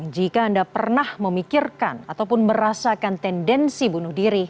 jika anda pernah memikirkan ataupun merasakan tendensi bunuh diri